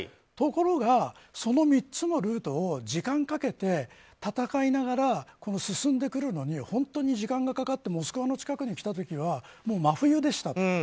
ところが、その３つのルートを時間をかけて戦いながら進んでくるのに本当に時間がかかってモスクワの近くに来た時にはもう、真冬でしたと。